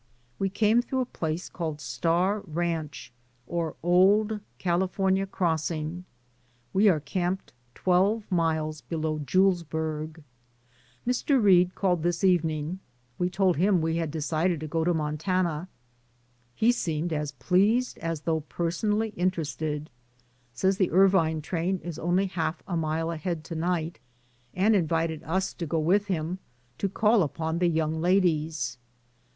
We came through a place called Star Ranch, or Old California Crossing. We are camped twelve miles below Julesburgh. Mr. Reade called this evening; we told him we had decided to go to Montana. He seemed as pleased as though personally interested. DAYS ON THE ROAD. 105 Says the Irvine train is only half a mile ahead to night, and invited us to go v^ith him to call upon the young ladies.